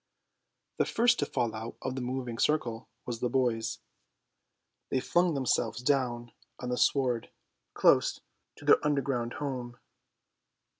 The first to fall out of the moving circle was the boys. They flung themselves down on the sward, close to their underground home.